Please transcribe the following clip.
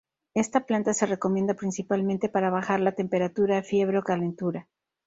Esta planta se recomienda principalmente para bajar la temperatura, fiebre o calentura.